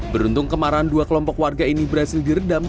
beruntung kemarahan dua kelompok warga ini berhasil diredam